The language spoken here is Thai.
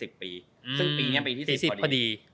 ซึ่งปีนี้เป็นปีที่๑๐พอดี